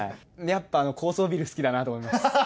やっぱ、あの高層ビル好きだなと思います。